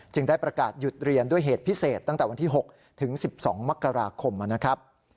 ได้ประกาศหยุดเรียนด้วยเหตุพิเศษตั้งแต่วันที่๖ถึง๑๒มกราคมนะครับ